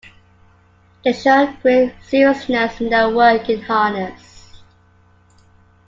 They show great seriousness in their work in harness.